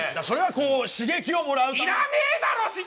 それはこう刺激をもらうための。